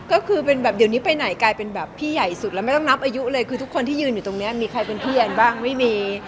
ก็คือเป็นแบบเดี๋ยวนี้ไปไหนกลายเป็นแบบพี่ใหญ่สุดแล้วไม่ต้องนับอายุเลยคือทุกคนที่ยืนอยู่ตรงนี้มีใครเป็นพี่แอนบ้างไม่มี